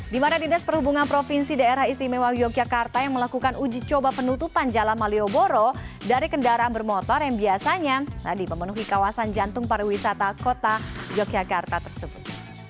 di mana dinas perhubungan provinsi daerah istimewa yogyakarta yang melakukan uji coba penutupan jalan malioboro dari kendaraan bermotor yang biasanya tadi memenuhi kawasan jantung pariwisata kota yogyakarta tersebut